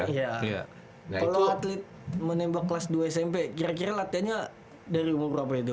kalau atlet menembak kelas dua smp kira kira latihannya dari umur berapa itu